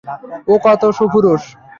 ও কত সুপুরুষ।